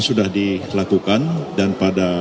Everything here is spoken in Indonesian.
sudah dilakukan dan pada